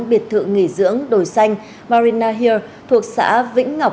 biệt thự nghỉ dưỡng đồi xanh marina hill thuộc xã vĩnh ngọc